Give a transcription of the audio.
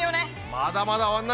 まだまだ終わんないね！